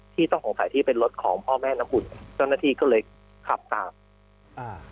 ต้องสงสัยที่เป็นรถของพ่อแม่น้ำอุ่นเจ้าหน้าที่ก็เลยขับตามอ่า